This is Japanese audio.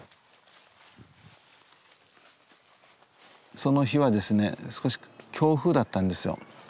その日はですね少し強風だったんですよ。